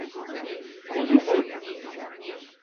Konu bu.